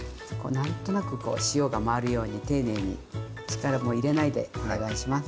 何となくこう塩が回るように丁寧に力も入れないでお願いします。